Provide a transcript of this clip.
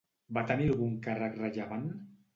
Va tenir algun càrrec rellevant?